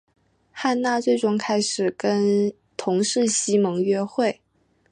汉娜最终开始跟同事西蒙约会。